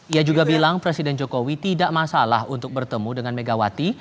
ia juga bilang presiden jokowi tidak masalah untuk bertemu dengan megawati